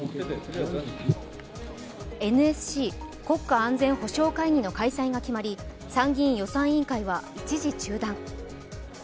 ＮＳＣ＝国家安全保障会議の開催が決まり、参議院予算委員会は一時中断。